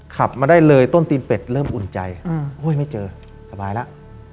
ขับมาได้เลยต้นตีนเป็ดเริ่มอุ่นใจไม่เจอสบายแล้ว